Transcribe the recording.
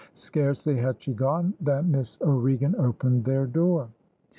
Scarcely had she gone than Miss O'Regan opened their door.